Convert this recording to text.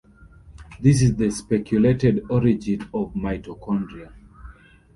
This is the speculated origin of mitochondria.